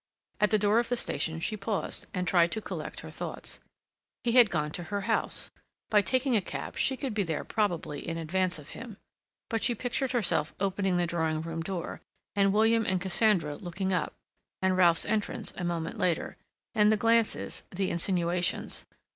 At the door of the station she paused, and tried to collect her thoughts. He had gone to her house. By taking a cab she could be there probably in advance of him. But she pictured herself opening the drawing room door, and William and Cassandra looking up, and Ralph's entrance a moment later, and the glances—the insinuations.